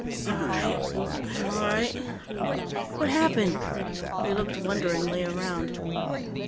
"All right. I'm all right. What happened?" He looked wonderingly around.